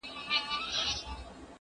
كه مالدار دي كه دهقان دي كه خانان دي